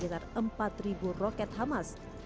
israel defense force atau pasukan pertahanan israel